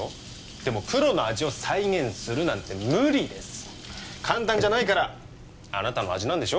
でもプロの味を再現するなんて無理です簡単じゃないからあなたの味なんでしょ？